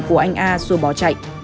của anh a rồi bỏ chạy